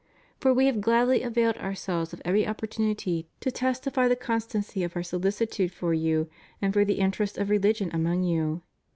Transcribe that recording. For We have gladly availed Ourselves of every opportunity to testify the constancy of Our solici tude for you and for the interests of religion among you.